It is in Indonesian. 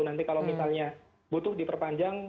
nanti kalau misalnya butuh diperpanjang